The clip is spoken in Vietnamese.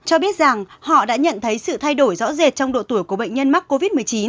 cho biết rằng họ đã nhận thấy sự thay đổi rõ rệt trong độ tuổi của bệnh nhân mắc covid một mươi chín